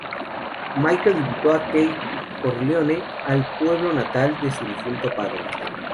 Michael invitó a Kay a Corleone, el pueblo natal de su difunto padre.